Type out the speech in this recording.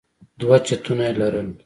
دوه چتونه يې لرل.